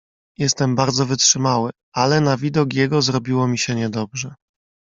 "Jestem bardzo wytrzymały, ale na widok jego zrobiło mi się niedobrze."